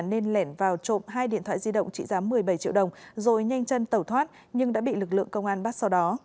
nên lẻn vào trộm hai điện thoại di động trị giá một mươi bảy triệu đồng rồi nhanh chân tẩu thoát nhưng đã bị lực lượng công an bắt sau đó